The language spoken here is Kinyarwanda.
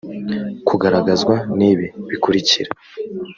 kugaragazwa n ibi bikurikira